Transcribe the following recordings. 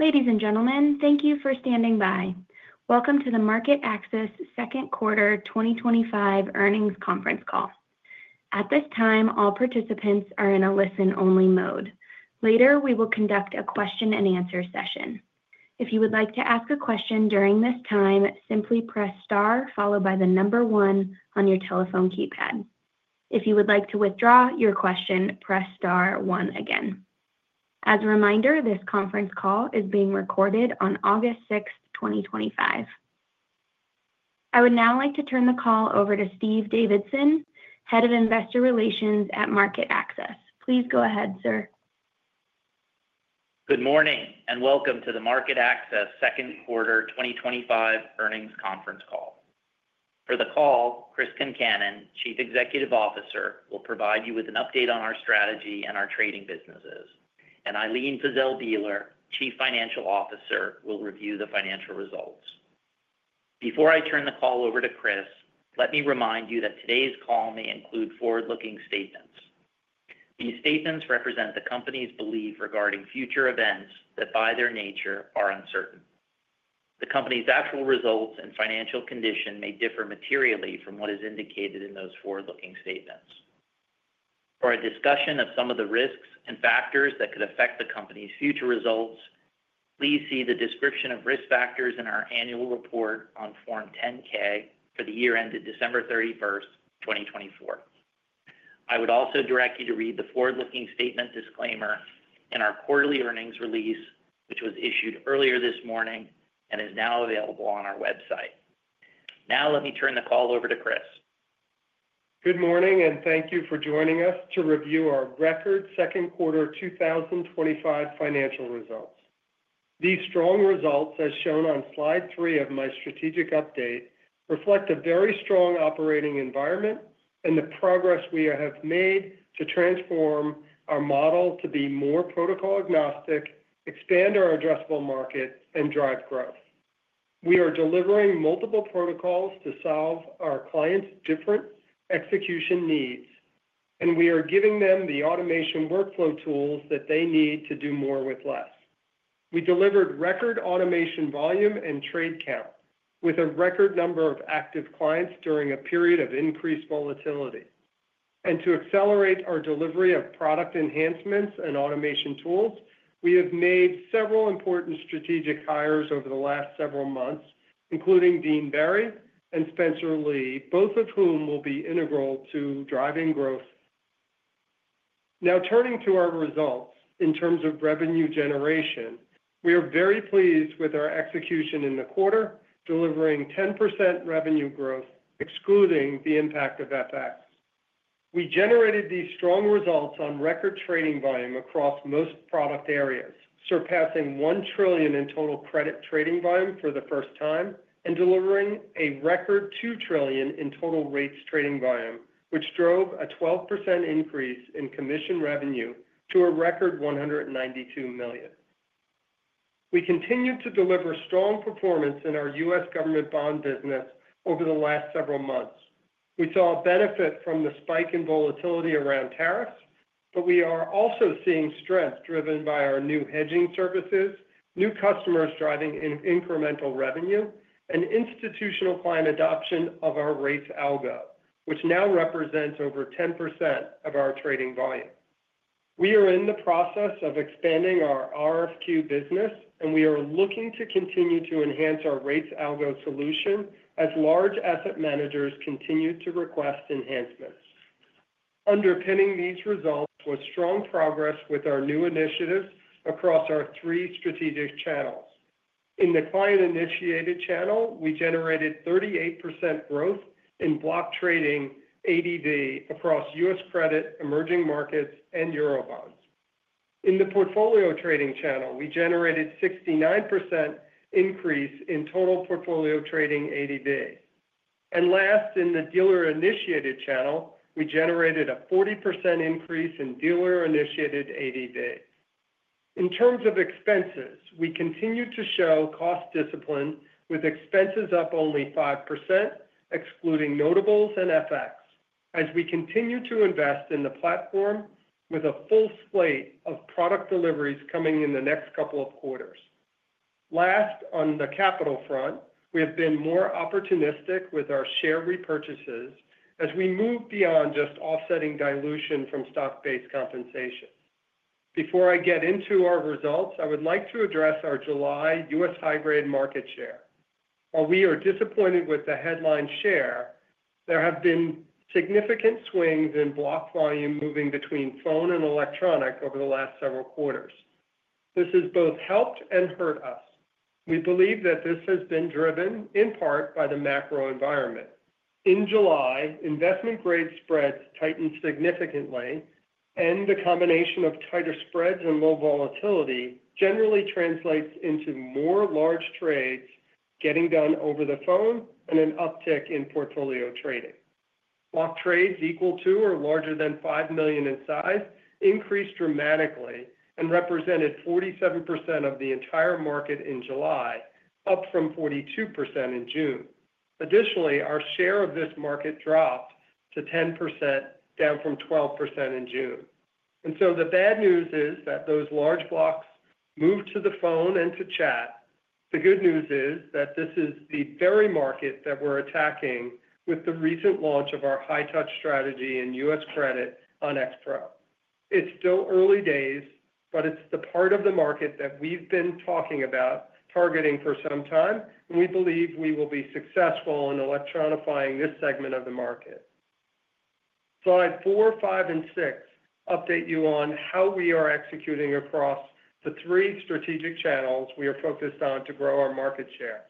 Ladies and gentlemen, thank you for standing by. Welcome to the MarketAxess second quarter 2025 earnings conference call. At this time, all participants are in a listen-only mode. Later, we will conduct a question-and-answer session. If you would like to ask a question during this time, simply press star followed by the number one on your telephone keypad. If you would like to withdraw your question, press star one again. As a reminder, this conference call is being recorded on August 6, 2025. I would now like to turn the call over to Steve Davidson, Head of Investor Relations at MarketAxess. Please go ahead, sir. Good morning and welcome to the MarketAxess second quarter 2025 earnings conference call. For the call, Chris Concannon, Chief Executive Officer, will provide you with an update on our strategy and our trading businesses. Ilene Fiszel Bieler, Chief Financial Officer, will review the financial results. Before I turn the call over to Chris, let me remind you that today's call may include forward-looking statements. These statements represent the company's belief regarding future events that, by their nature, are uncertain. The company's actual results and financial condition may differ materially from what is indicated in those forward-looking statements. For a discussion of some of the risks and factors that could affect the company's future results, please see the description of risk factors in our annual report on Form 10-K for the year ended December 31st, 2024. I would also direct you to read the forward-looking statement disclaimer in our quarterly earnings release, which was issued earlier this morning and is now available on our website. Now, let me turn the call over to Chris. Good morning and thank you for joining us to review our record second quarter 2025 financial results. These strong results, as shown on slide three of my strategic update, reflect a very strong operating environment and the progress we have made to transform our model to be more protocol agnostic, expand our addressable market, and drive growth. We are delivering multiple protocols to solve our clients' different execution needs, and we are giving them the automation workflow tools that they need to do more with less. We delivered record automation volume and trade count, with a record number of active clients during a period of increased volatility. To accelerate our delivery of product enhancements and automation tools, we have made several important strategic hires over the last several months, including Dean Berry and Spencer Lee, both of whom will be integral to driving growth. Now, turning to our results in terms of revenue generation, we are very pleased with our execution in the quarter, delivering 10% revenue growth, excluding the impact of FX. We generated these strong results on record trading volume across most product areas, surpassing $1 trillion in total credit trading volume for the first time and delivering a record $2 trillion in total rates trading volume, which drove a 12% increase in commission revenue to a record $192 million. We continued to deliver strong performance in our U.S. government bond business over the last several months. We saw a benefit from the spike in volatility around tariffs, but we are also seeing strength driven by our new hedging services, new customers driving incremental revenue, and institutional client adoption of our rates algo, which now represents over 10% of our trading volume. We are in the process of expanding our RFQ business, and we are looking to continue to enhance our rates algo solution as large asset managers continue to request enhancements. Underpinning these results was strong progress with our new initiatives across our three strategic channels. In the client-initiated channel, we generated 38% growth in block trading ADV across U.S. credit, emerging markets, and eurobonds. In the portfolio trading channel, we generated a 69% increase in total portfolio trading ADV. In the dealer-initiated channel, we generated a 40% increase in dealer-initiated ADV. In terms of expenses, we continue to show cost discipline with expenses up only 5%, excluding notables and FX, as we continue to invest in the platform with a full slate of product deliveries coming in the next couple of quarters. Last, on the capital front, we have been more opportunistic with our share repurchases as we move beyond just offsetting dilution from stock-based compensation. Before I get into our results, I would like to address our July U.S. high-grade market share. While we are disappointed with the headline share, there have been significant swings in block volume moving between phone and electronic over the last several quarters. This has both helped and hurt us. We believe that this has been driven in part by the macro environment. In July, investment-grade spreads tightened significantly, and the combination of tighter spreads and low volatility generally translates into more large trades getting done over the phone and an uptick in portfolio trading. Block trades equal to or larger than $5 million in size increased dramatically and represented 47% of the entire market in July, up from 42% in June. Additionally, our share of this market dropped to 10%, down from 12% in June. The bad news is that those large blocks moved to the phone and to chat. The good news is that this is the very market that we're attacking with the recent launch of our high-touch strategy in U.S. credit on X-Pro. It's still early days, but it's the part of the market that we've been talking about targeting for some time, and we believe we will be successful in electronifying this segment of the market. Slide four, five, and six update you on how we are executing across the three strategic channels we are focused on to grow our market share.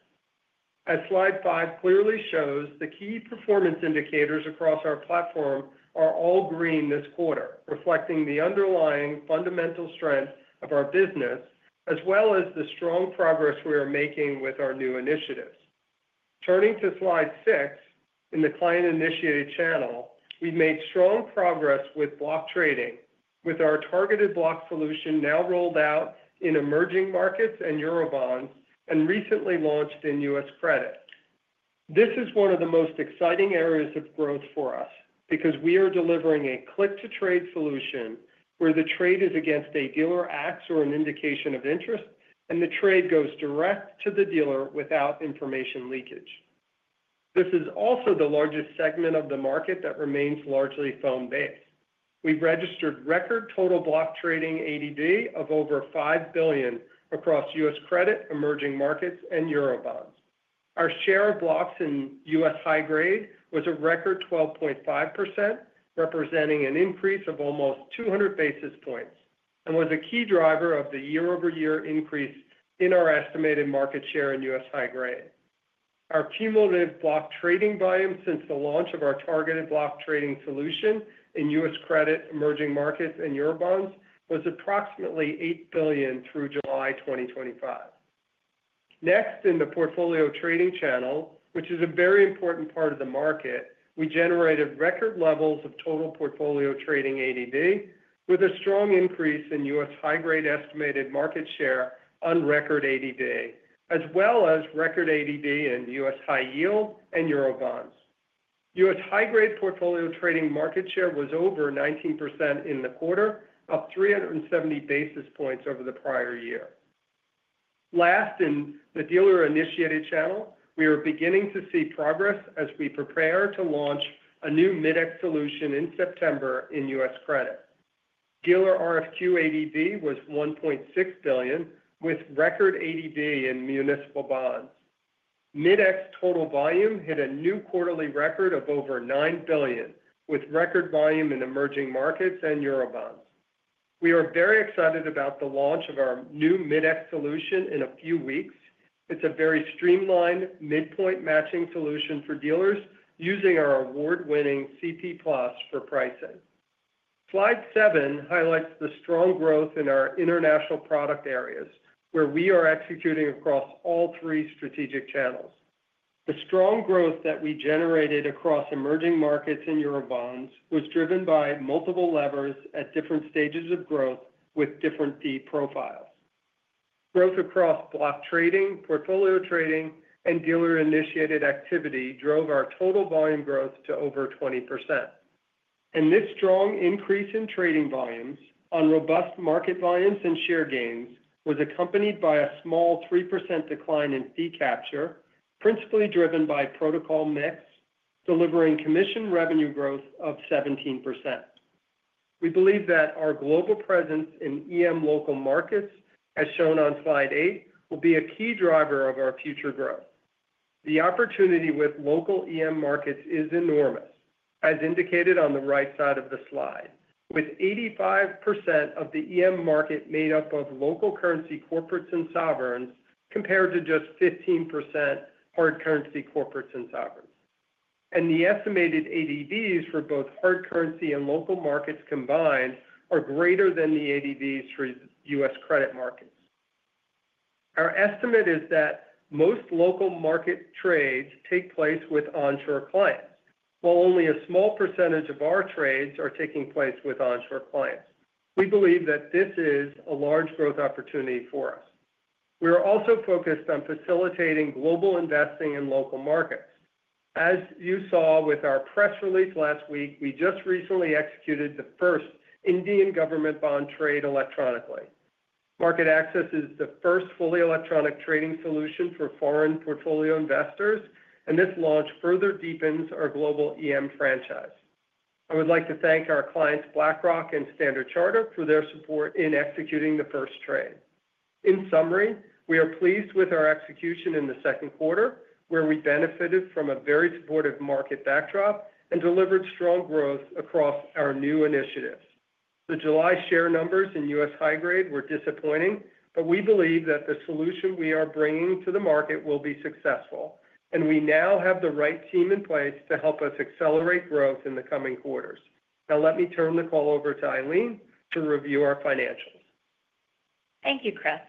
As slide five clearly shows, the key performance indicators across our platform are all green this quarter, reflecting the underlying fundamental strength of our business as well as the strong progress we are making with our new initiatives. Turning to slide six, in the client-initiated channel, we've made strong progress with block trading, with our targeted block solution now rolled out in emerging markets and eurobonds and recently launched in U.S. credit. This is one of the most exciting areas of growth for us because we are delivering a click-to-trade solution where the trade is against a dealer acts or an indication of interest, and the trade goes direct to the dealer without information leakage. This is also the largest segment of the market that remains largely phone-based. We've registered record total block trading ADV of over $5 billion across U.S. credit, emerging markets, and eurobonds. Our share of blocks in U.S. high-grade was a record 12.5%, representing an increase of almost 200 basis points and was a key driver of the year-over-year increase in our estimated market share in U.S. high-grade. Our cumulative block trading volume since the launch of our targeted block trading solution in U.S. credit, emerging markets, and eurobonds was approximately $8 billion through July 2025. Next, in the portfolio trading channel, which is a very important part of the market, we generated record levels of total portfolio trading ADV with a strong increase in U.S. high-grade estimated market share on record ADV, as well as record ADV in U.S. high yield and eurobonds. U.S. high-grade portfolio trading market share was over 19% in the quarter, up 370 basis points over the prior year. Last, in the dealer-initiated channel, we are beginning to see progress as we prepare to launch a new Mid-X solution in September in U.S. credit. Dealer RFQ ADV was $1.6 billion with record ADV in municipal bonds. Mid-X total volume hit a new quarterly record of over $9 billion with record volume in emerging markets and eurobonds. We are very excited about the launch of our new Mid-X solution in a few weeks. It's a very streamlined midpoint matching solution for dealers using our award-winning CP+ for pricing. Slide seven highlights the strong growth in our international product areas where we are executing across all three strategic channels. The strong growth that we generated across emerging markets and eurobonds was driven by multiple levers at different stages of growth with different fee profiles. Growth across block trading, portfolio trading, and dealer-initiated activity drove our total volume growth to over 20%. This strong increase in trading volumes on robust market volumes and share gains was accompanied by a small 3% decline in fee capture, principally driven by protocol mix, delivering commission revenue growth of 17%. We believe that our global presence in EM local markets, as shown on slide eight, will be a key driver of our future growth. The opportunity with local EM markets is enormous, as indicated on the right side of the slide, with 85% of the EM market made up of local currency corporates and sovereigns compared to just 15% hard currency corporates and sovereigns. The estimated ADVs for both hard currency and local markets combined are greater than the ADVs for U.S. credit markets. Our estimate is that most local market trades take place with onshore clients, while only a small percentage of our trades are taking place with onshore clients. We believe that this is a large growth opportunity for us. We are also focused on facilitating global investing in local markets. As you saw with our press release last week, we just recently executed the first Indian government bond trade electronically. MarketAxess is the first fully electronic trading solution for foreign portfolio investors, and this launch further deepens our global EM franchise. I would like to thank our clients BlackRock and Standard Chartered for their support in executing the first trade. In summary, we are pleased with our execution in the second quarter, where we benefited from a very supportive market backdrop and delivered strong growth across our new initiatives. The July share numbers in U.S. high-grade were disappointing, but we believe that the solution we are bringing to the market will be successful, and we now have the right team in place to help us accelerate growth in the coming quarters. Now, let me turn the call over to Ilene to review our financials. Thank you, Chris.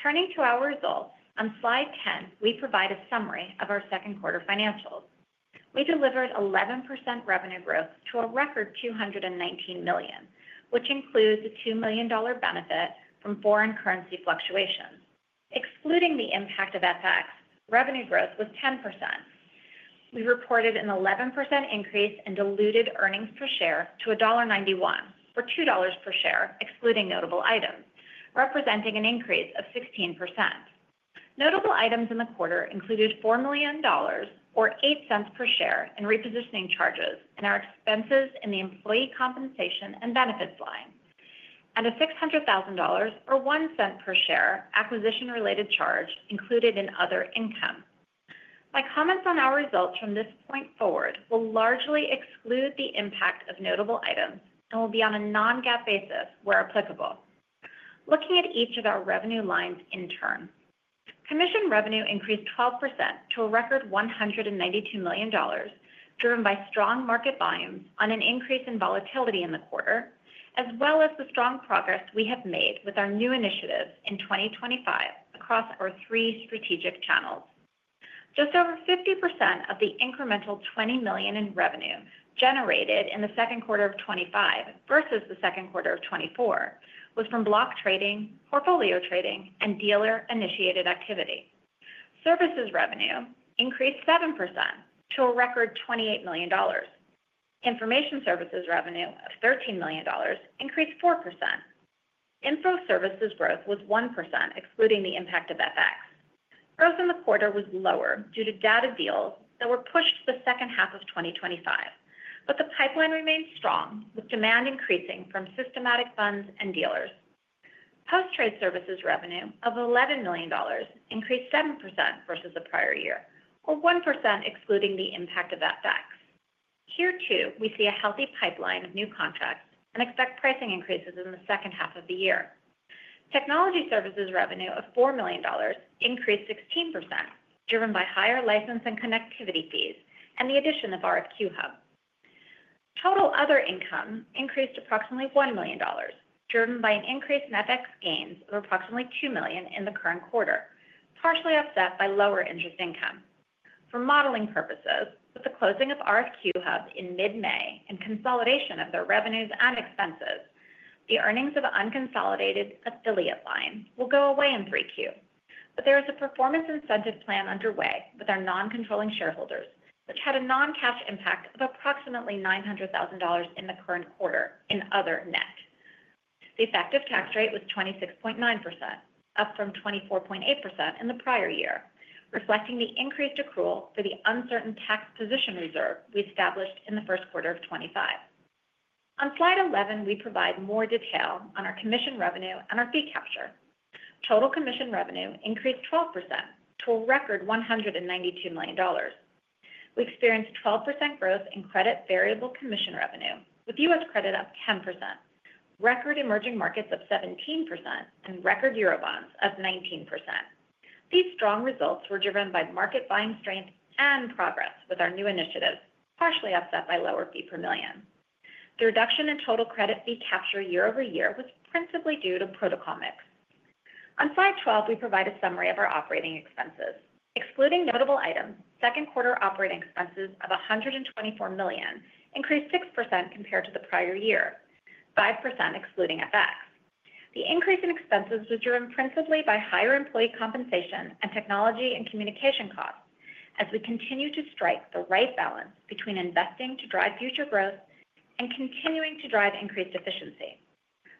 Turning to our results, on slide 10, we provide a summary of our second quarter financials. We delivered 11% revenue growth to a record $219 million, which includes a $2 million benefit from foreign currency fluctuation. Excluding the impact of FX, revenue growth was 10%. We reported an 11% increase in diluted earnings per share to $1.91 or $2.00 per share, excluding notable items, representing an increase of 16%. Notable items in the quarter included $4 million or $0.08 per share in repositioning charges and our expenses in the employee compensation and benefits line, and a $600,000 or $0.01 per share acquisition-related charge included in other income. My comments on our results from this point forward will largely exclude the impact of notable items and will be on a non-GAAP basis where applicable. Looking at each of our revenue lines in turn, commission revenue increased 12% to a record $192 million, driven by strong market volumes on an increase in volatility in the quarter, as well as the strong progress we have made with our new initiatives in 2025 across our three strategic channels. Just over 50% of the incremental $20 million in revenue generated in the second quarter of 2025 versus the second quarter of 2024 was from block trading, portfolio trading, and dealer-initiated activity. Services revenue increased 7% to a record $28 million. Information services revenue of $13 million increased 4%. Info services growth was 1%, excluding the impact of FX. Growth in the quarter was lower due to data deals that were pushed to the second half of 2025, but the pipeline remained strong with demand increasing from systematic funds and dealers. Post-trade services revenue of $11 million increased 7% versus the prior year, while 1% excluding the impact of FX. Year two, we see a healthy pipeline of new contracts and expect pricing increases in the second half of the year. Technology services revenue of $4 million increased 16%, driven by higher license and connectivity fees and the addition of RFQ-hub. Total other income increased approximately $1 million, driven by an increase in FX gains of approximately $2 million in the current quarter, partially offset by lower interest income. For modeling purposes, with the closing of RFQ-hub in mid-May and consolidation of their revenues and expenses, the earnings of unconsolidated affiliate line will go away in 3Q. There is a performance incentive plan underway with our non-controlling shareholders, which had a non-cash impact of approximately $900,000 in the current quarter in other net. The effective tax rate was 26.9%, up from 24.8% in the prior year, reflecting the increased accrual for the uncertain tax position reserve we established in the first quarter of 2025. On slide 11, we provide more detail on our commission revenue and our fee capture. Total commission revenue increased 12% to a record $192 million. We experienced 12% growth in credit variable commission revenue, with U.S. credit up 10%, record emerging markets up 17%, and record eurobonds up 19%. These strong results were driven by market volume strength and progress with our new initiatives, partially offset by lower fee per million. The reduction in total credit fee capture year-over-year was principally due to protocol mix. On slide 12, we provide a summary of our operating expenses. Excluding notable items, second quarter operating expenses of $124 million increased 6% compared to the prior year, 5% excluding FX. The increase in expenses was driven principally by higher employee compensation and technology and communication costs, as we continue to strike the right balance between investing to drive future growth and continuing to drive increased efficiency.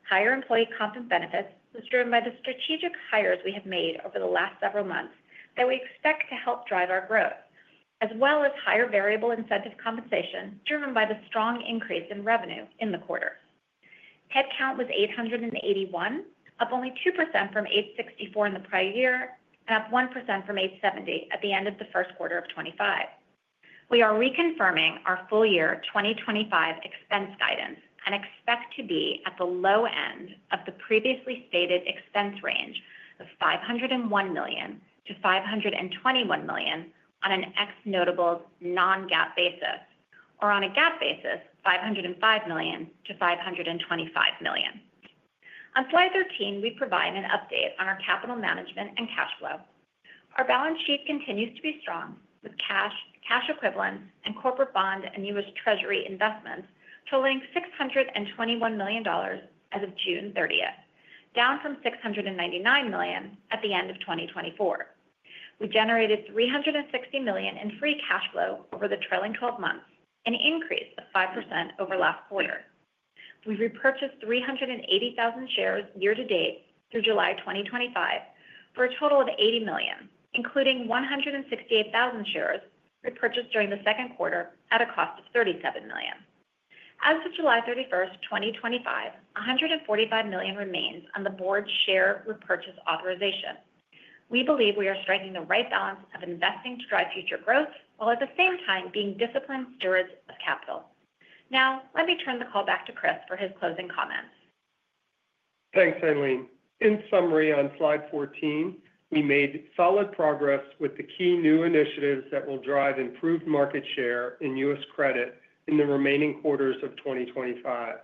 Higher employee comp and benefits was driven by the strategic hires we have made over the last several months that we expect to help drive our growth, as well as higher variable incentive compensation driven by the strong increase in revenue in the quarter. Headcount was 881, up only 2% from 864 in the prior year and up 1% from 870 at the end of the first quarter of 2025. We are reconfirming our full-year 2025 expense guidance and expect to be at the low end of the previously stated expense range of $501 million-$521 million on an ex-notable non-GAAP basis, or on a GAAP basis, $505 million-$525 million. On slide 13, we provide an update on our capital management and cash flow. Our balance sheet continues to be strong with cash, cash equivalents, and corporate bond and U.S. Treasury investments to a length of $621 million as of June 30th, down from $699 million at the end of 2024. We generated $360 million in free cash flow over the trailing 12 months, an increase of 5% over last quarter. We repurchased 380,000 shares year to date through July 2025 for a total of $80 million, including 168,000 shares repurchased during the second quarter at a cost of $37 million. As of July 31st, 2025, $145 million remains on the board's share repurchase authorization. We believe we are striking the right balance of investing to drive future growth, while at the same time being disciplined stewards of capital. Now, let me turn the call back to Chris for his closing comments. Thanks, Ilene. In summary, on slide 14, we made solid progress with the key new initiatives that will drive improved market share in U.S. credit in the remaining quarters of 2025.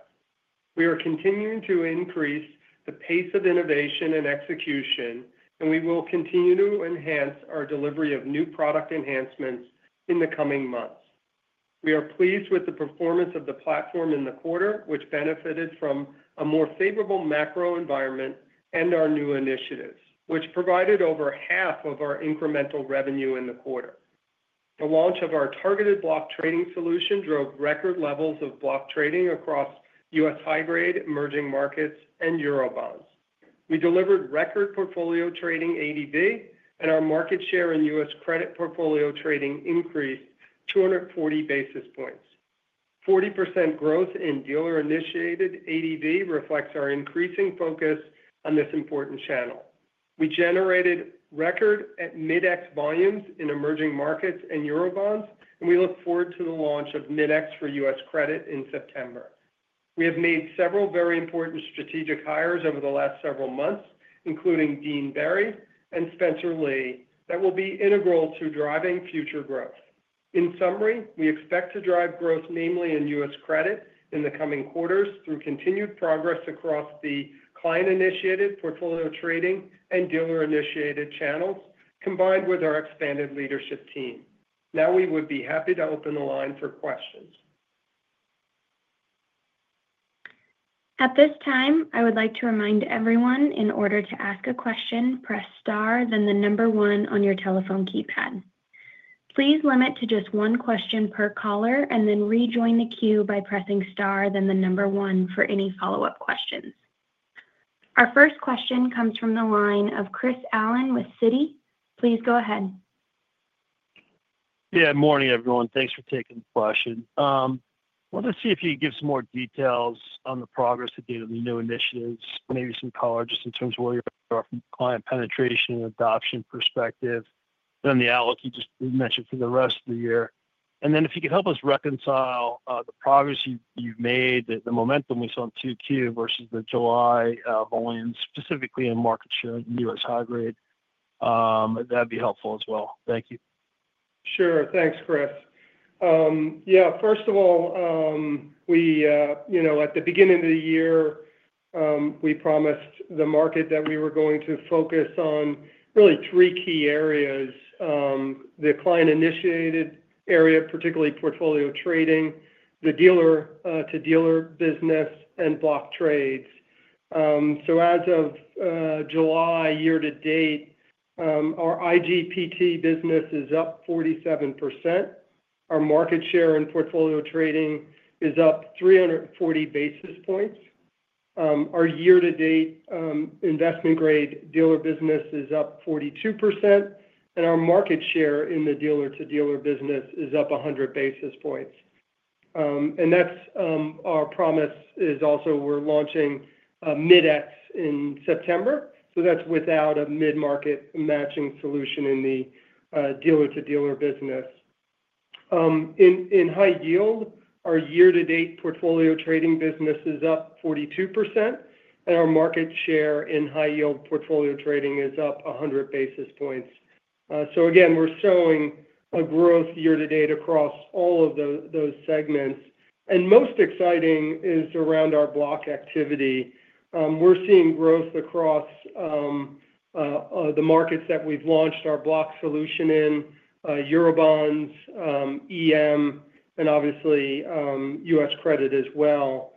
We are continuing to increase the pace of innovation and execution, and we will continue to enhance our delivery of new product enhancements in the coming months. We are pleased with the performance of the platform in the quarter, which benefited from a more favorable macro environment and our new initiatives, which provided over half of our incremental revenue in the quarter. The launch of our targeted block trading solution drove record levels of block trading across U.S. high-grade, emerging markets, and eurobonds. We delivered record portfolio trading ADV, and our market share in U.S. credit portfolio trading increased 240 basis points. 40% growth in dealer-initiated ADV reflects our increasing focus on this important channel. We generated record at Mid-X volumes in emerging markets and eurobonds, and we look forward to the launch of Mid-X for U.S. credit in September. We have made several very important strategic hires over the last several months, including Dean Berry and Spencer Lee, that will be integral to driving future growth. In summary, we expect to drive growth mainly in U.S. credit in the coming quarters through continued progress across the client-initiated portfolio trading and dealer-initiated channels, combined with our expanded leadership team. Now, we would be happy to open the line for questions. At this time, I would like to remind everyone, in order to ask a question, press star, then the number one on your telephone keypad. Please limit to just one question per caller and then rejoin the queue by pressing star, then the number one for any follow-up questions. Our first question comes from the line of Chris Allen with Citi. Please go ahead. Good morning, everyone. Thanks for taking the question. Wanted to see if you could give some more details on the progress to date on the new initiatives, maybe some colors just in terms of where you are from a client penetration and adoption perspective, and the allocation just as you mentioned for the rest of the year. If you could help us reconcile the progress you've made, the momentum we saw in Q2 versus the July volumes, specifically in market share in U.S. high grade, that'd be helpful as well. Thank you. Sure. Thanks, Chris. First of all, at the beginning of the year, we promised the market that we were going to focus on really three key areas: the client-initiated area, particularly portfolio trading, the dealer-to-dealer business, and block trades. As of July year to date, our IGPT business is up 47%. Our market share in portfolio trading is up 340 basis points. Our year-to-date investment-grade dealer business is up 42%, and our market share in the dealer-to-dealer business is up 100 basis points. Our promise is also we're launching Mid-X in September. That is without a mid-market matching solution in the dealer-to-dealer business. In high yield, our year-to-date portfolio trading business is up 42%, and our market share in high-yield portfolio trading is up 100 basis points. We are showing a growth year to date across all of those segments. Most exciting is around our block activity. We're seeing growth across the markets that we've launched our block solution in: eurobonds, emerging markets, and obviously U.S. credit as well.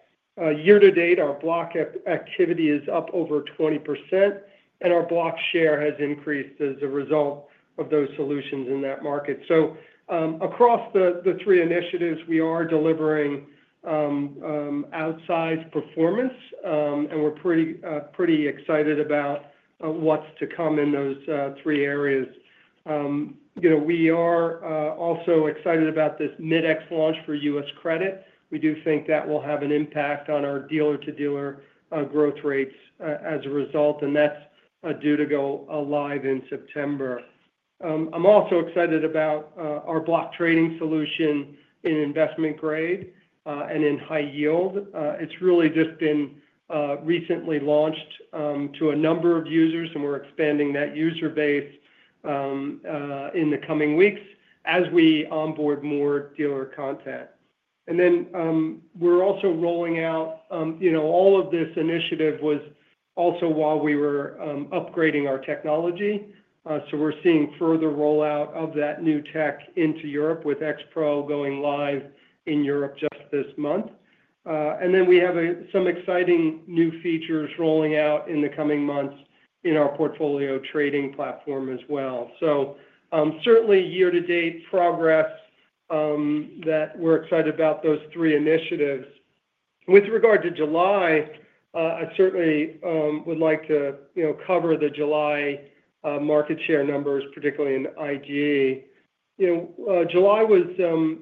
Year to date, our block activity is up over 20%, and our block share has increased as a result of those solutions in that market. Across the three initiatives, we are delivering outsized performance, and we're pretty excited about what's to come in those three areas. We are also excited about this Mid-X launch for U.S. credit. We do think that will have an impact on our dealer-to-dealer growth rates as a result, and that's due to go live in September. I'm also excited about our block trading solution in investment grade and in high yield. It's really just been recently launched to a number of users, and we're expanding that user base in the coming weeks as we onboard more dealer content. We are also rolling out all of this initiative while we were upgrading our technology. We're seeing further rollout of that new tech into Europe with X-Pro going live in Europe just this month. We have some exciting new features rolling out in the coming months in our portfolio trading platform as well. Certainly year-to-date progress that we're excited about those three initiatives. With regard to July, I certainly would like to cover the July market share numbers, particularly in investment-grade electronic. July was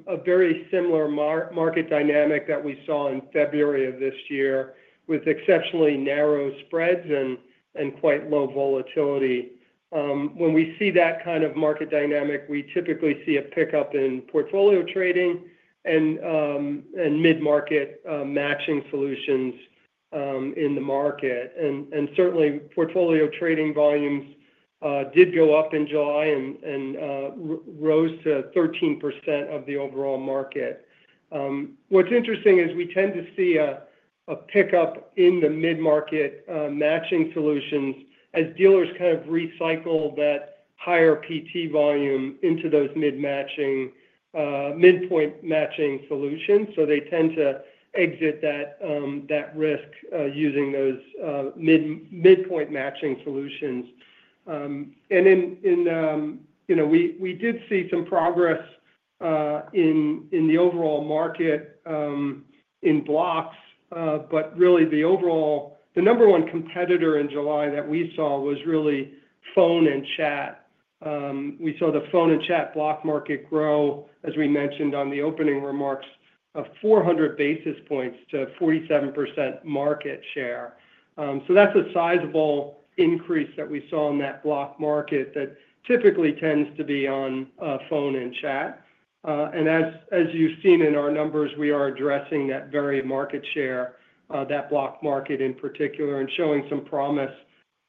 a very similar market dynamic that we saw in February of this year with exceptionally narrow spreads and quite low volatility. When we see that kind of market dynamic, we typically see a pickup in portfolio trading and mid-market matching solutions in the market. Portfolio trading volumes did go up in July and rose to 13% of the overall market. What's interesting is we tend to see a pickup in the mid-market matching solutions as dealers recycle that higher PT volume into those mid-point matching solutions. They tend to exit that risk using those mid-point matching solutions. We did see some progress in the overall market in blocks, but really the number one competitor in July that we saw was phone and chat. We saw the phone and chat block market grow, as we mentioned in the opening remarks, 400 basis points to 47% market share. That's a sizable increase that we saw in that block market that typically tends to be on phone and chat. As you've seen in our numbers, we are addressing that very market share, that block market in particular, and showing some promise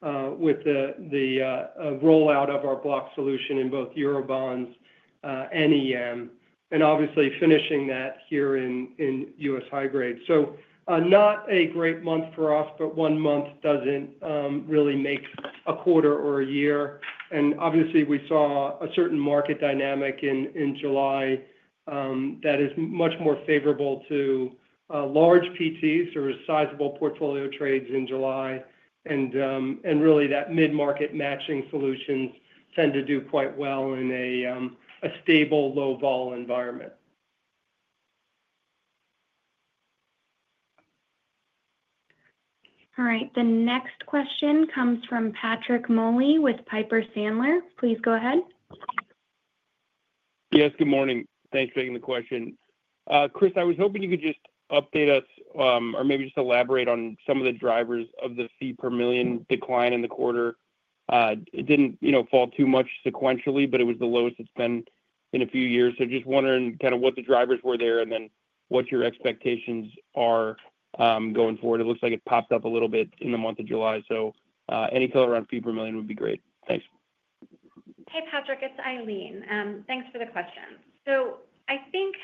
with the rollout of our block solution in both eurobonds and EM, and obviously finishing that here in U.S. high grade. Not a great month for us, but one month doesn't really make a quarter or a year. We saw a certain market dynamic in July that is much more favorable to large PTs or sizable portfolio trades in July. That mid-market matching solutions tend to do quite well in a stable, low vol environment. All right. The next question comes from Patrick Moley with Piper Sandler. Please go ahead. Yes, good morning. Thanks for taking the question. Chris, I was hoping you could just update us or maybe just elaborate on some of the drivers of the fee per million decline in the quarter. It didn't fall too much sequentially, but it was the lowest it's been in a few years. Just wondering what the drivers were there and what your expectations are going forward. It looks like it popped up a little bit in the month of July. Any color around fee per million would be great. Thanks. Hey, Patrick. It's Ilene. Thanks for the question. I think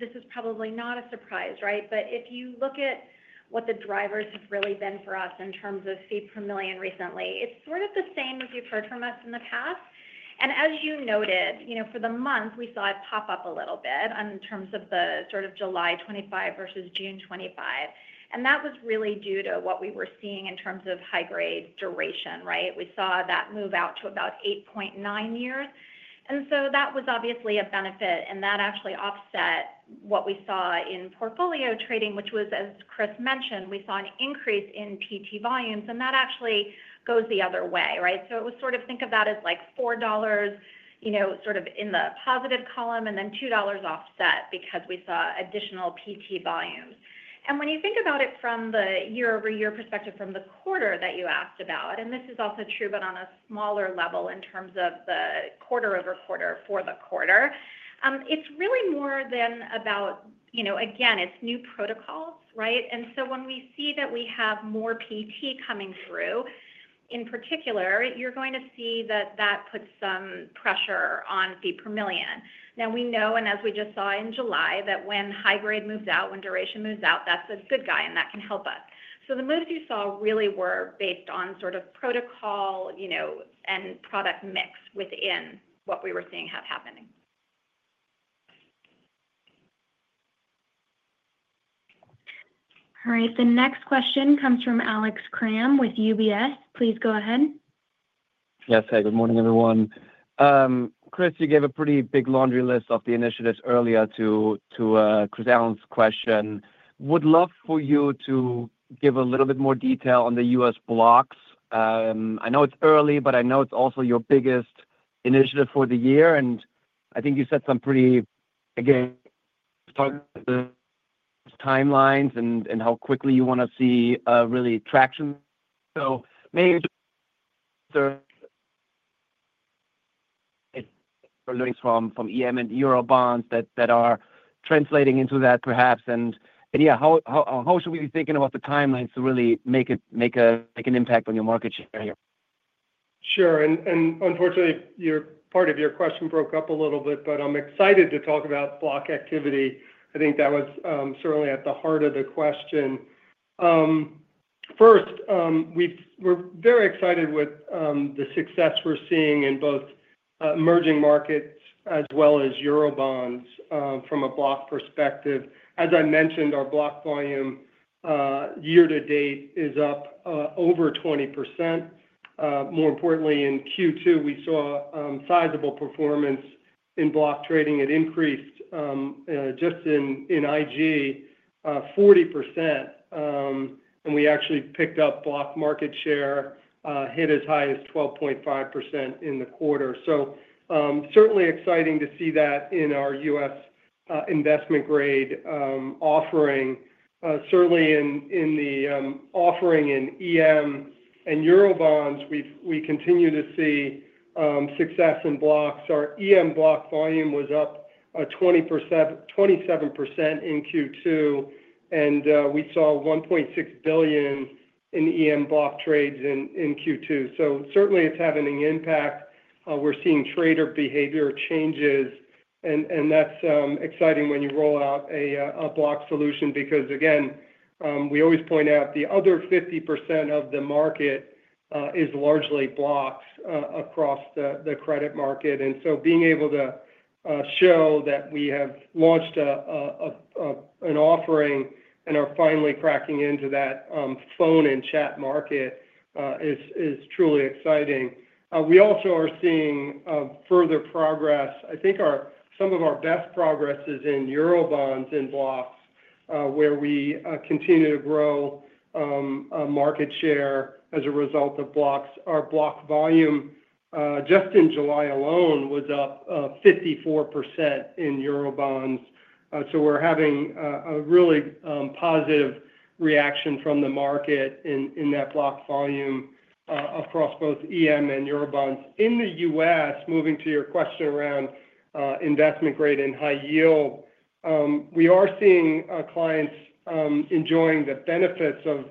this is probably not a surprise, right? If you look at what the drivers have really been for us in terms of fee per million recently, it's sort of the same as you've heard from us in the past. As you noted, for the month, we saw it pop up a little bit in terms of the sort of July 2025 versus June 2025. That was really due to what we were seeing in terms of high-grade duration, right? We saw that move out to about 8.9 years. That was obviously a benefit. That actually offset what we saw in portfolio trading, which was, as Chris mentioned, we saw an increase in PT volumes. That actually goes the other way, right? It was sort of think of that as like $4, you know, sort of in the positive column, and then $2 offset because we saw additional PT volumes. When you think about it from the year-over-year perspective from the quarter that you asked about, and this is also true, but on a smaller level in terms of the quarter-over-quarter for the quarter, it's really more than about, you know, again, it's new protocols, right? When we see that we have more PT coming through in particular, you're going to see that that puts some pressure on fee per million. We know, and as we just saw in July, that when high grade moves out, when duration moves out, that's a good guy, and that can help us. The moves you saw really were based on sort of protocol, you know, and product mix within what we were seeing happening. All right. The next question comes from Alex Kramm with UBS. Please go ahead. Yes, hey, good morning, everyone. Chris, you gave a pretty big laundry list of the initiatives earlier to Chris Allen's question. Would love for you to give a little bit more detail on the U.S. blocks. I know it's early, but I know it's also your biggest initiative for the year. I think you said some pretty, again, timelines and how quickly you want to see really traction. Maybe there are learnings from emerging markets and eurobonds that are translating into that, perhaps. How should we be thinking about the timelines to really make an impact on your market share here? Sure. Unfortunately, part of your question broke up a little bit, but I'm excited to talk about block activity. I think that was certainly at the heart of the question. First, we're very excited with the success we're seeing in both emerging markets as well as eurobonds from a block perspective. As I mentioned, our block volume year to date is up over 20%. More importantly, in Q2, we saw sizable performance in block trading. It increased just in IG by 40%, and we actually picked up block market share, hit as high as 12.5% in the quarter. Certainly exciting to see that in our U.S. investment-grade offering. In the offering in emerging markets and eurobonds, we continue to see success in blocks. Our emerging markets block volume was up 27% in Q2, and we saw $1.6 billion in emerging markets block trades in Q2. Certainly, it's having an impact. We're seeing trader behavior changes, and that's exciting when you roll out a block solution because, again, we always point out the other 50% of the market is largely blocks across the credit market. Being able to show that we have launched an offering and are finally cracking into that phone and chat market is truly exciting. We also are seeing further progress. I think some of our best progress is in eurobonds and blocks, where we continue to grow market share as a result of blocks. Our block volume just in July alone was up 54% in eurobonds. We're having a really positive reaction from the market in that block volume across both emerging markets and eurobonds. In the U.S., moving to your question around investment grade and high yield, we are seeing clients enjoying the benefits of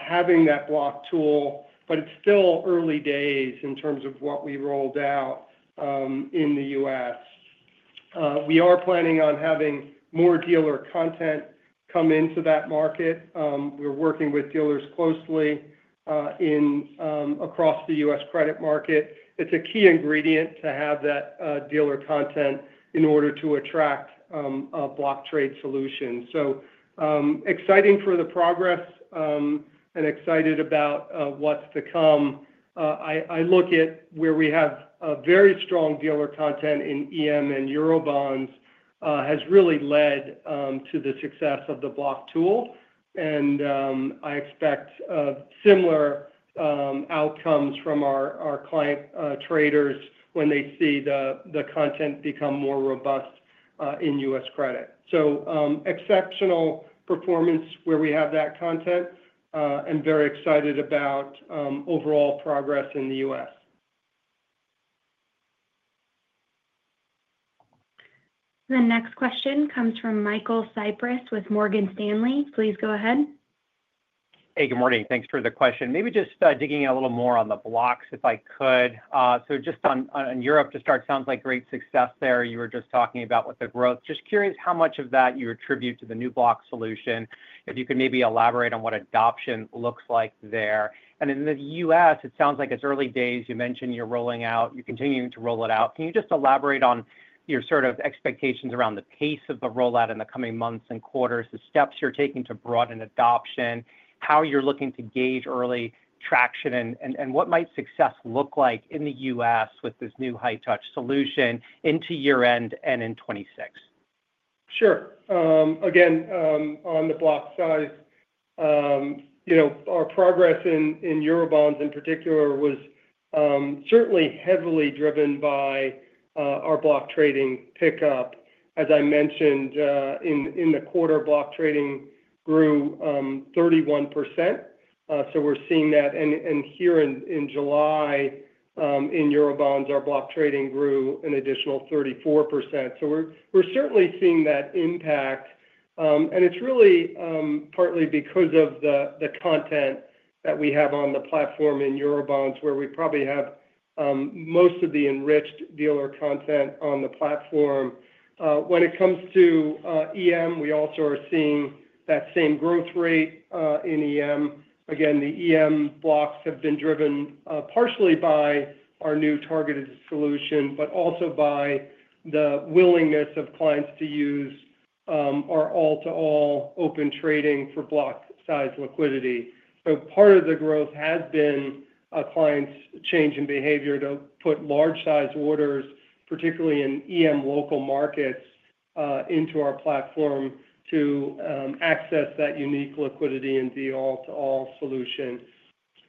having that block tool, but it's still early days in terms of what we rolled out in the U.S. We are planning on having more dealer content come into that market. We're working with dealers closely across the U.S. credit market. It's a key ingredient to have that dealer content in order to attract block trade solutions. Exciting for the progress and excited about what's to come. I look at where we have very strong dealer content in emerging markets and eurobonds has really led to the success of the block tool, and I expect similar outcomes from our client traders when they see the content become more robust in U.S. credit. Exceptional performance where we have that content and very excited about overall progress in the U.S. The next question comes from Michael Cyprys with Morgan Stanley. Please go ahead. Hey, good morning. Thanks for the question. Maybe just digging a little more on the blocks if I could. On Europe to start, it sounds like great success there. You were just talking about with the growth. I'm just curious how much of that you attribute to the new block solution. If you could maybe elaborate on what adoption looks like there. In the U.S., it sounds like it's early days. You mentioned you're rolling out, you're continuing to roll it out. Can you just elaborate on your sort of expectations around the pace of the rollout in the coming months and quarters, the steps you're taking to broaden adoption, how you're looking to gauge early traction, and what might success look like in the U.S. with this new high-touch solution into year-end and in 2026? Sure. Again, on the block size, our progress in eurobonds in particular was certainly heavily driven by our block trading pickup. As I mentioned, in the quarter, block trading grew 31%. We're seeing that. Here in July, in eurobonds, our block trading grew an additional 34%. We're certainly seeing that impact. It's really partly because of the content that we have on the platform in eurobonds, where we probably have most of the enriched dealer content on the platform. When it comes to EM, we also are seeing that same growth rate in EM. The EM blocks have been driven partially by our new targeted solution, but also by the willingness of clients to use our all-to-all Open Trading for block size liquidity. Part of the growth has been clients' change in behavior to put large-size orders, particularly in EM local markets, into our platform to access that unique liquidity and deal-all-to-all solution.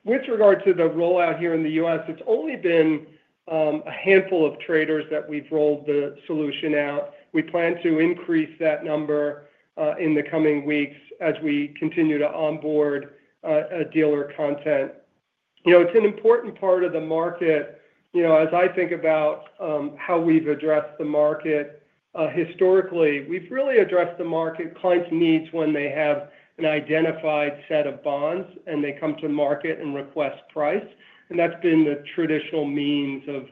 With regard to the rollout here in the U.S., it's only been a handful of traders that we've rolled the solution out. We plan to increase that number in the coming weeks as we continue to onboard dealer content. It's an important part of the market. As I think about how we've addressed the market historically, we've really addressed the market client's needs when they have an identified set of bonds and they come to market and request price. That's been the traditional means of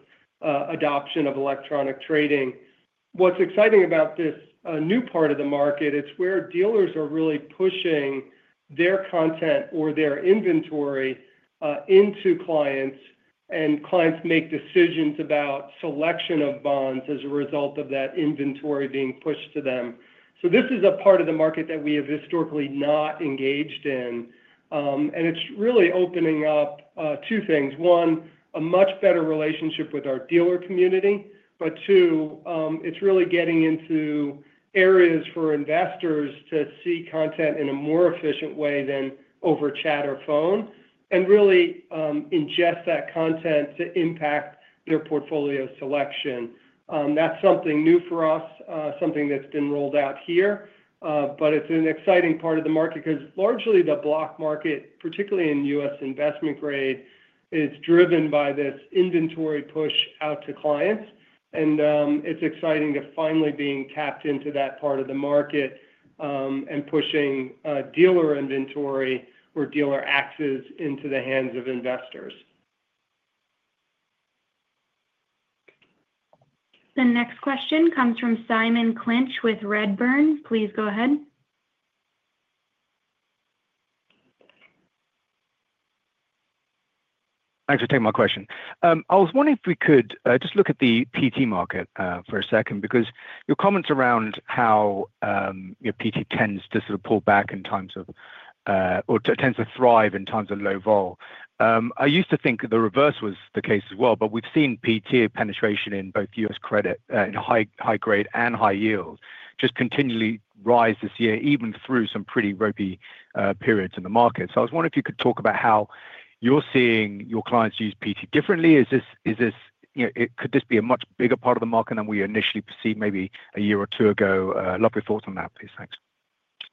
adoption of electronic trading. What's exciting about this new part of the market, it's where dealers are really pushing their content or their inventory into clients, and clients make decisions about selection of bonds as a result of that inventory being pushed to them. This is a part of the market that we have historically not engaged in. It's really opening up two things. One, a much better relationship with our dealer community. Two, it's really getting into areas for investors to see content in a more efficient way than over chat or phone and really ingest that content to impact their portfolio selection. That's something new for us, something that's been rolled out here. It's an exciting part of the market because largely the block market, particularly in U.S. investment grade, is driven by this inventory push out to clients. It's exciting to finally be tapped into that part of the market and pushing dealer inventory or dealer axes into the hands of investors. The next question comes from Simon Clinch with Redburn. Please go ahead. Thanks for taking my question. I was wondering if we could just look at the PT market for a second because your comments around how your PT tends to sort of pull back in times of, or tends to thrive in times of low vol. I used to think the reverse was the case as well, but we've seen PT penetration in both U.S. credit in high grade and high yield just continually rise this year, even through some pretty ropey periods in the market. I was wondering if you could talk about how you're seeing your clients use PT differently. Is this, you know, could this be a much bigger part of the market than we initially perceived maybe a year or two ago? I'd love your thoughts on that, please. Thanks.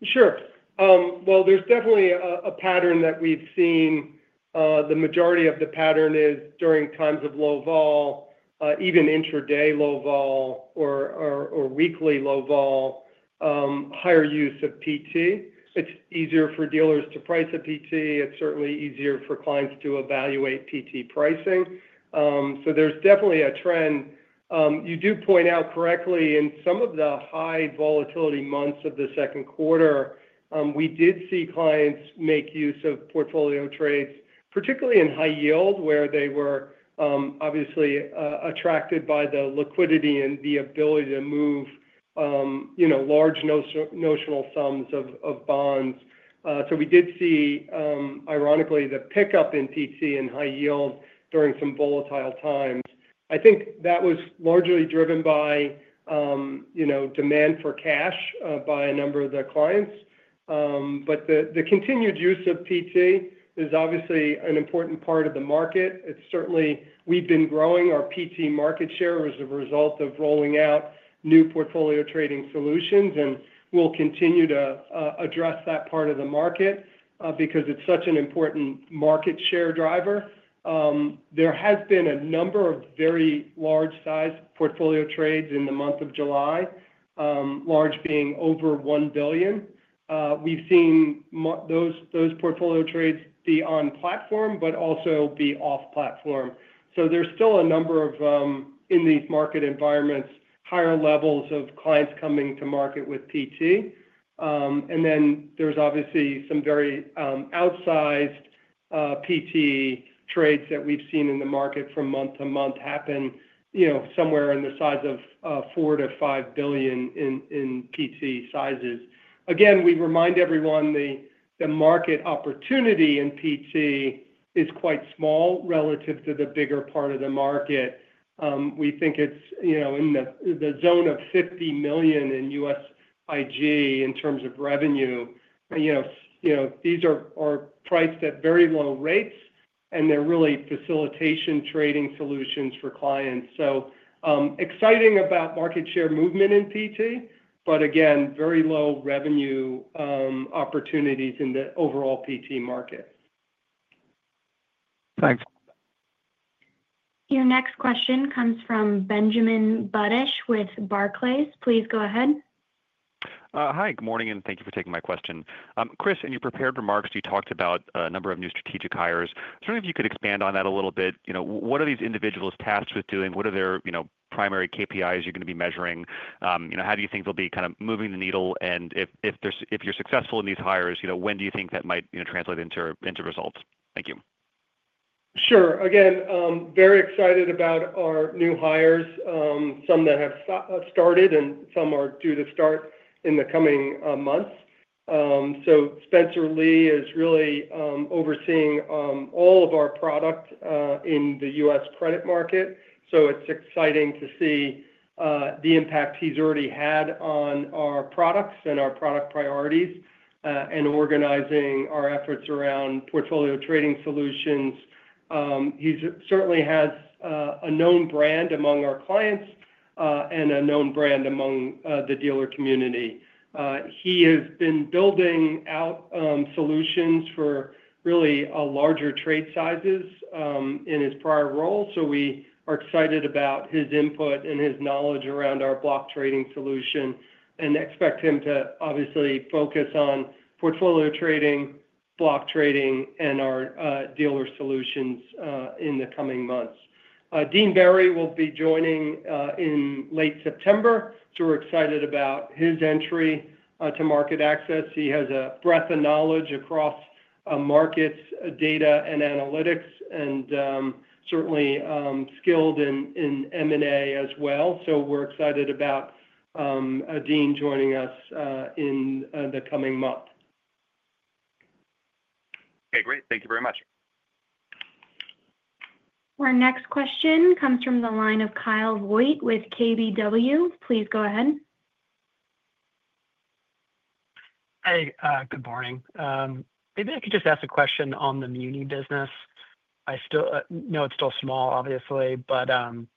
Sure. There's definitely a pattern that we've seen. The majority of the pattern is during times of low vol, even intraday low vol or weekly low vol, higher use of PT. It's easier for dealers to price a PT. It's certainly easier for clients to evaluate PT pricing. There's definitely a trend. You do point out correctly, in some of the high volatility months of the second quarter, we did see clients make use of portfolio trades, particularly in high yield, where they were obviously attracted by the liquidity and the ability to move large notional sums of bonds. We did see, ironically, the pickup in PT and high yield during some volatile times. I think that was largely driven by demand for cash by a number of the clients. The continued use of PT is obviously an important part of the market. It's certainly, we've been growing our PT market share as a result of rolling out new portfolio trading solutions. We'll continue to address that part of the market because it's such an important market share driver. There has been a number of very large-sized portfolio trades in the month of July, large being over $1 billion. We've seen those portfolio trades be on platform, but also be off platform. There's still a number of, in these market environments, higher levels of clients coming to market with PT. There's obviously some very outsized PT trades that we've seen in the market from month to month happen, somewhere in the size of $4 billion-$5 billion in PT sizes. Again, we remind everyone the market opportunity in PT is quite small relative to the bigger part of the market. We think it's in the zone of $50 million in U.S. IG in terms of revenue. These are priced at very low rates, and they're really facilitation trading solutions for clients. Exciting about market share movement in PT, but again, very low revenue opportunities in the overall PT market. Thanks. Your next question comes from Benjamin Budish with Barclays. Please go ahead. Hi, good morning, and thank you for taking my question. Chris, in your prepared remarks, you talked about a number of new strategic hires. I was wondering if you could expand on that a little bit. What are these individuals tasked with doing? What are their primary KPIs you're going to be measuring? How do you think they'll be kind of moving the needle? If you're successful in these hires, when do you think that might translate into results? Thank you. Sure. Again, very excited about our new hires, some that have started and some are due to start in the coming months. Spencer Lee is really overseeing all of our product in the U.S. credit market. It's exciting to see the impact he's already had on our products and our product priorities and organizing our efforts around portfolio trading solutions. He certainly has a known brand among our clients and a known brand among the dealer community. He has been building out solutions for really larger trade sizes in his prior role. We are excited about his input and his knowledge around our block trading solution and expect him to obviously focus on portfolio trading, block trading, and our dealer solutions in the coming months. Dean Berry will be joining in late September. We're excited about his entry to MarketAxess. He has a breadth of knowledge across markets, data, and analytics, and certainly skilled in M&A as well. We're excited about Dean joining us in the coming month. Okay, great. Thank you very much. Our next question comes from the line of Kyle Voigt with KBW. Please go ahead. Hey, good morning. Maybe I could just ask a question on the Muni business. I know it's still small, obviously, but can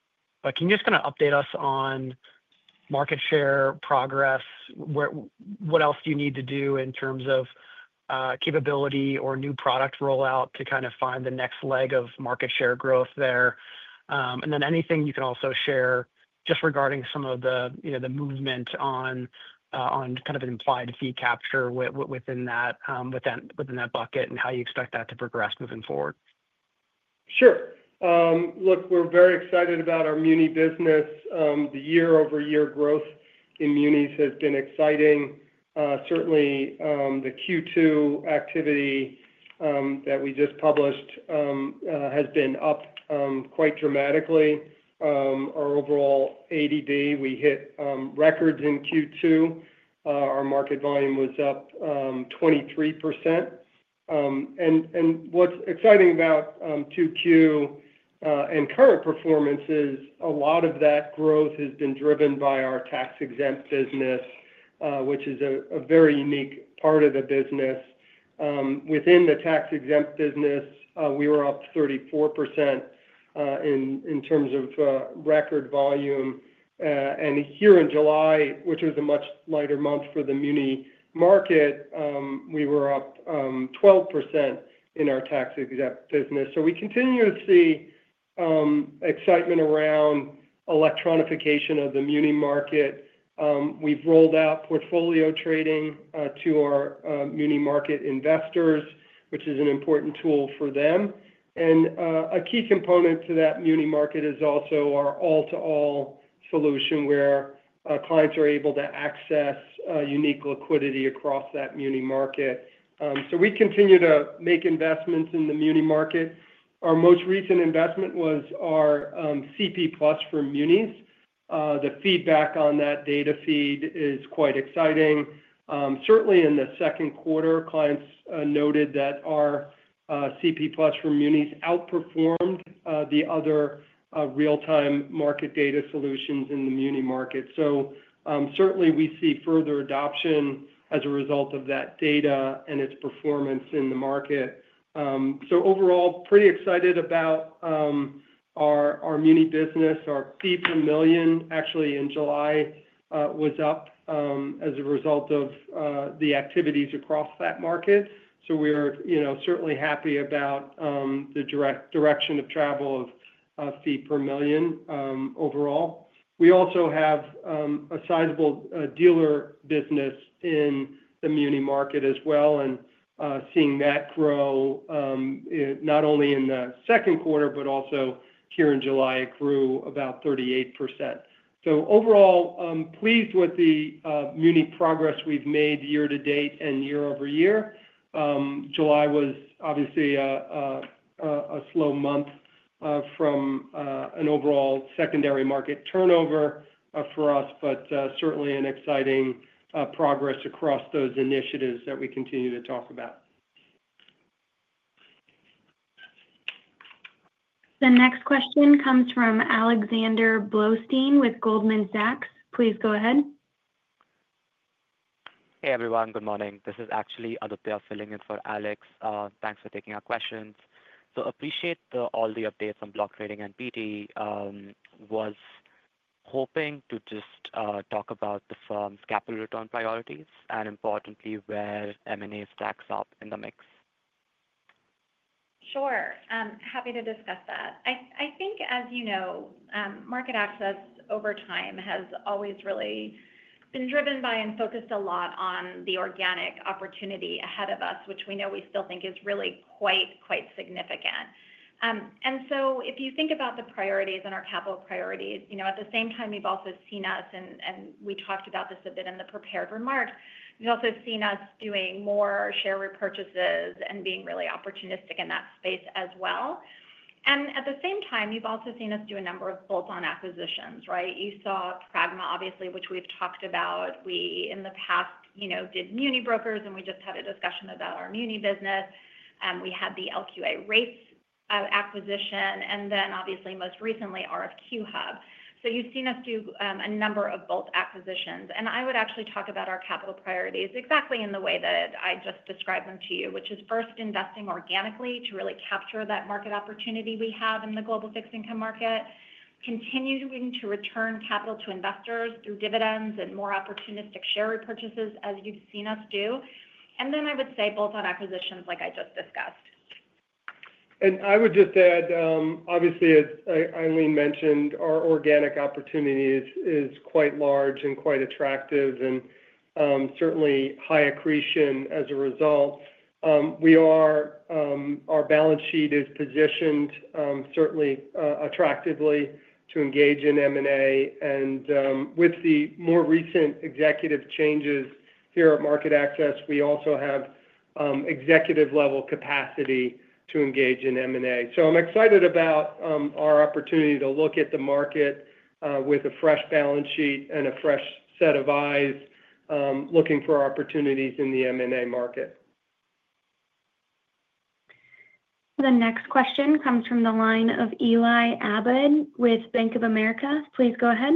you just kind of update us on market share progress? What else do you need to do in terms of capability or new product rollout to kind of find the next leg of market share growth there? Is there anything you can also share regarding some of the movement on kind of an implied fee capture within that bucket and how you expect that to progress moving forward? Sure. Look, we're very excited about our Muni business. The year-over-year growth in Munis has been exciting. Certainly, the Q2 activity that we just published has been up quite dramatically. Our overall ADV, we hit records in Q2. Our market volume was up 23%. What's exciting about Q2 and current performance is a lot of that growth has been driven by our tax-exempt business, which is a very unique part of the business. Within the tax-exempt business, we were up 34% in terms of record volume. Here in July, which was a much lighter month for the Muni market, we were up 12% in our tax-exempt business. We continue to see excitement around electronification of the Muni market. We've rolled out portfolio trading to our Muni market investors, which is an important tool for them. A key component to that Muni market is also our all-to-all solution where clients are able to access unique liquidity across that Muni market. We continue to make investments in the Muni market. Our most recent investment was our CP+ for Munis. The feedback on that data feed is quite exciting. Certainly, in the second quarter, clients noted that our CP+ for Munis outperformed the other real-time market data solutions in the Muni market. We see further adoption as a result of that data and its performance in the market. Overall, pretty excited about our Muni business. Our fee per million actually in July was up as a result of the activities across that market. We are, you know, certainly happy about the direction of travel of fee per million overall. We also have a sizable dealer business in the Muni market as well, and seeing that grow not only in the second quarter, but also here in July, it grew about 38%. Overall, pleased with the Muni progress we've made year to date and year-over-year. July was obviously a slow month from an overall secondary market turnover for us, but certainly an exciting progress across those initiatives that we continue to talk about. The next question comes from Alexander Blostein with Goldman Sachs. Please go ahead. Hey, everyone. Good morning. This is actually Aditya filling in for Alex. Thanks for taking our questions. I appreciate all the updates from block trading and PT. I was hoping to just talk about the firm's capital return priorities and importantly where M&A stacks up in the mix. Sure. Happy to discuss that. I think, as you know, MarketAxess over time has always really been driven by and focused a lot on the organic opportunity ahead of us, which we know we still think is really quite, quite significant. If you think about the priorities and our capital priorities, at the same time, you've also seen us, and we talked about this a bit in the prepared remarks, you've also seen us doing more share repurchases and being really opportunistic in that space as well. At the same time, you've also seen us do a number of bolt-on acquisitions, right? You saw Pragma, obviously, which we've talked about. In the past, we did MuniBrokers, and we just had a discussion about our muni business. We had the [LQA Rates] acquisition, and then obviously most recently RFQ-hub. You've seen us do a number of bolt-on acquisitions. I would actually talk about our capital priorities exactly in the way that I just described them to you, which is first investing organically to really capture that market opportunity we have in the global fixed income market, continuing to return capital to investors through dividends and more opportunistic share repurchases as you've seen us do. I would say bolt-on acquisitions like I just discussed. Obviously, as Ilene mentioned, our organic opportunity is quite large and quite attractive and certainly high accretion as a result. Our balance sheet is positioned certainly attractively to engage in M&A. With the more recent executive changes here at MarketAxess, we also have executive-level capacity to engage in M&A. I'm excited about our opportunity to look at the market with a fresh balance sheet and a fresh set of eyes looking for opportunities in the M&A market. The next question comes from the line of Eli Abboud with Bank of America. Please go ahead.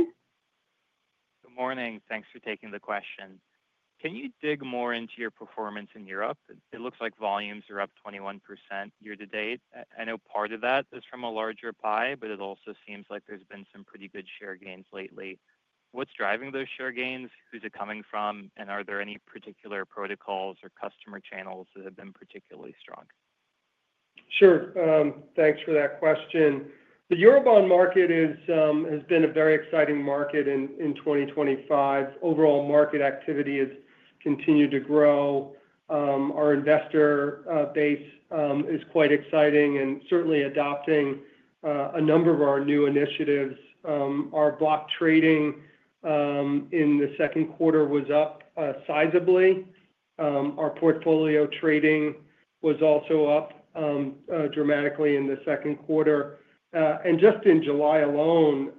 Good morning. Thanks for taking the question. Can you dig more into your performance in Europe? It looks like volumes are up 21% year to date. I know part of that is from a larger pie, but it also seems like there's been some pretty good share gains lately. What's driving those share gains? Who's it coming from? Are there any particular protocols or customer channels that have been particularly strong? Sure. Thanks for that question. The eurobond market has been a very exciting market in 2024. Overall market activity has continued to grow. Our investor base is quite exciting and certainly adopting a number of our new initiatives. Our block trading in the second quarter was up sizably. Our portfolio trading was also up dramatically in the second quarter. In July alone,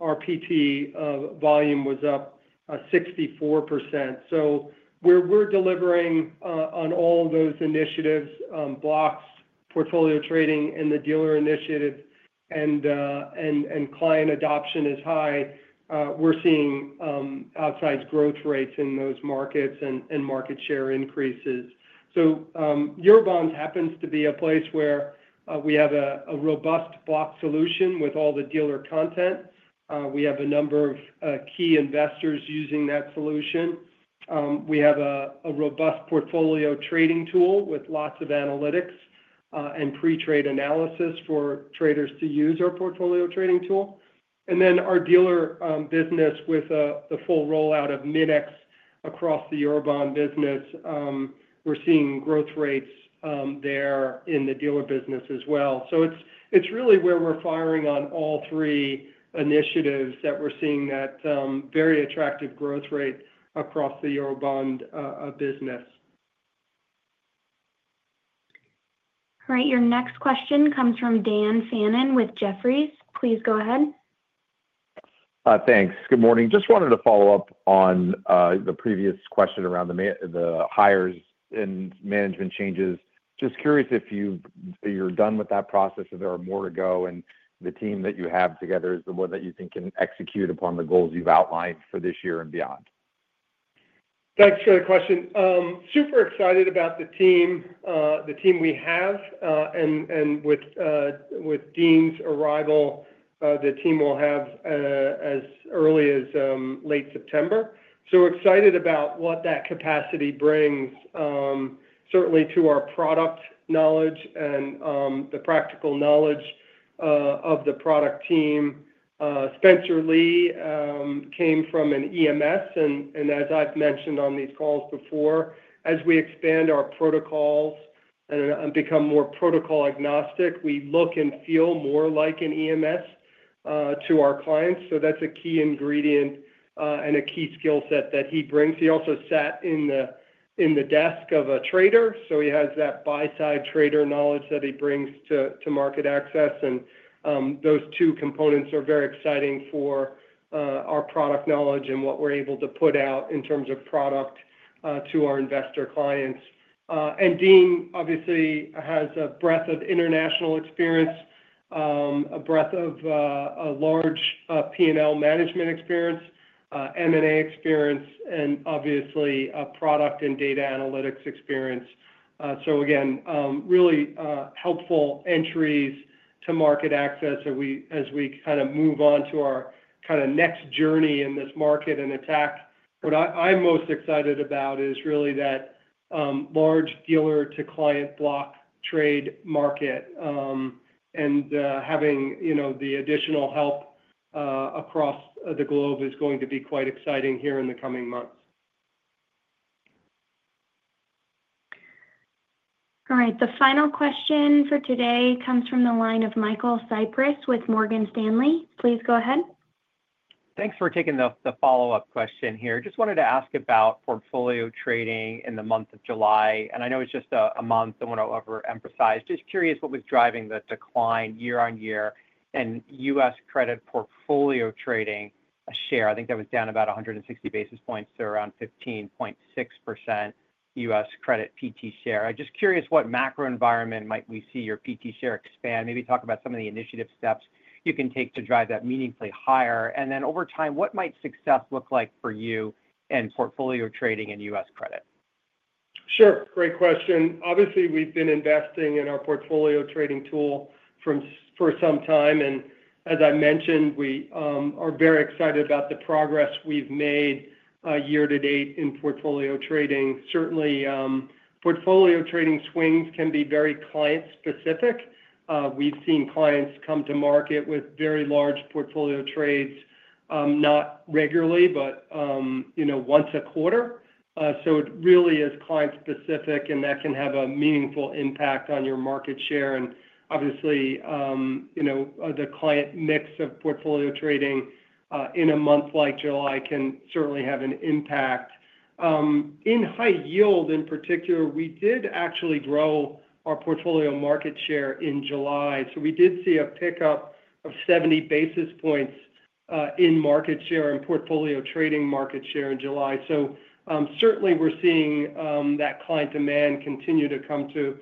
our PT volume was up 64%. We're delivering on all those initiatives, blocks, portfolio trading, and the dealer initiatives, and client adoption is high. We're seeing outsized growth rates in those markets and market share increases. Eurobonds happens to be a place where we have a robust block solution with all the dealer content. We have a number of key investors using that solution. We have a robust portfolio trading tool with lots of analytics and pre-trade analysis for traders to use our portfolio trading tool. Our dealer business, with the full rollout of Mid-X across the eurobond business, is seeing growth rates there in the dealer business as well. It's really where we're firing on all three initiatives that we're seeing that very attractive growth rate across the eurobond business. All right. Your next question comes from Dan Fannon with Jefferies. Please go ahead. Thanks. Good morning. Just wanted to follow up on the previous question around the hires and management changes. Curious if you're done with that process, if there are more to go, and the team that you have together is the one that you think can execute upon the goals you've outlined for this year and beyond. Thanks for the question. Super excited about the team, the team we have, and with Dean's arrival, the team we'll have as early as late September. We're excited about what that capacity brings, certainly to our product knowledge and the practical knowledge of the product team. Spencer Lee came from an EMS, and as I've mentioned on these calls before, as we expand our protocols and become more protocol agnostic, we look and feel more like an EMS to our clients. That's a key ingredient and a key skill set that he brings. He also sat in the desk of a trader, so he has that buy-side trader knowledge that he brings to MarketAxess. Those two components are very exciting for our product knowledge and what we're able to put out in terms of product to our investor clients. Dean obviously has a breadth of international experience, a breadth of a large P&L management experience, M&A experience, and obviously a product and data analytics experience. Again, really helpful entries to MarketAxess as we kind of move on to our kind of next journey in this market and attack. What I'm most excited about is really that large dealer-to-client block trade market and having the additional help across the globe is going to be quite exciting here in the coming months. All right. The final question for today comes from the line of Michael Cyprys with Morgan Stanley. Please go ahead. Thanks for taking the follow-up question here. I just wanted to ask about portfolio trading in the month of July. I know it's just a month, I want to overemphasize. Just curious what was driving the decline year-on-year in U.S. credit portfolio trading share. I think that was down about 160 basis points to around 15.6% U.S. credit PT share. I'm just curious what macro environment might we see your PT share expand? Maybe talk about some of the initiative steps you can take to drive that meaningfully higher. Over time, what might success look like for you in portfolio trading in U.S. credit? Sure. Great question. Obviously, we've been investing in our portfolio trading tool for some time. As I mentioned, we are very excited about the progress we've made year to date in portfolio trading. Certainly, portfolio trading swings can be very client-specific. We've seen clients come to market with very large portfolio trades, not regularly, but once a quarter. It really is client-specific, and that can have a meaningful impact on your market share. Obviously, the client mix of portfolio trading in a month like July can certainly have an impact. In high yield, in particular, we did actually grow our portfolio market share in July. We did see a pickup of 70 basis points in market share and portfolio trading market share in July. Certainly, we're seeing that client demand continue to come to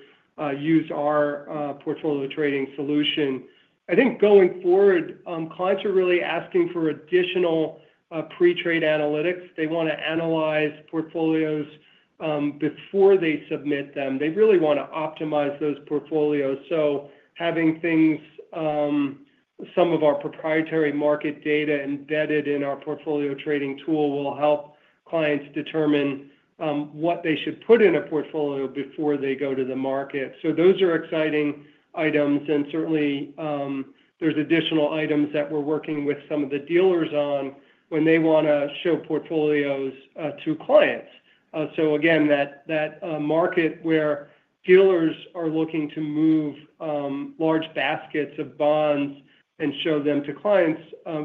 use our portfolio trading solution. I think going forward, clients are really asking for additional pre-trade analytics. They want to analyze portfolios before they submit them. They really want to optimize those portfolios. Having some of our proprietary market data embedded in our portfolio trading tool will help clients determine what they should put in a portfolio before they go to the market. Those are exciting items. There are additional items that we're working with some of the dealers on when they want to show portfolios to clients. That market where dealers are looking to move large baskets of bonds and show them to clients,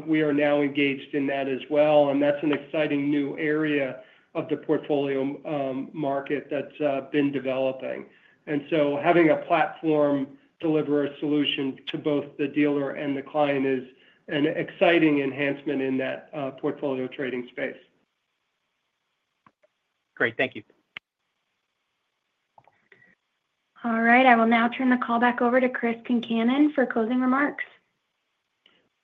we are now engaged in that as well. That is an exciting new area of the portfolio market that's been developing. Having a platform deliver a solution to both the dealer and the client is an exciting enhancement in that portfolio trading space. Great. Thank you. All right. I will now turn the call back over to Chris Concannon for closing remarks.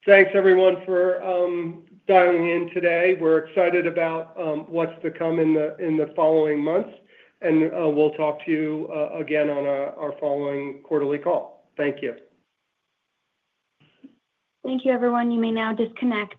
Thanks, everyone, for dialing in today. We're excited about what's to come in the following months. We'll talk to you again on our following quarterly call. Thank you. Thank you, everyone. You may now disconnect.